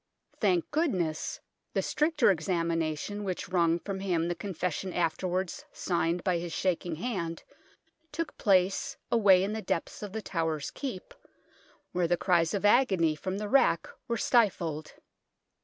Thank goodness, the stricter examina tion which wrung from him the confession afterwards signed by his shaking hand took place away in the depths of The Tower's Keep, where the cries of agony from the rack were stifled.